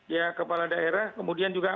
ya kepala daerah kemudian juga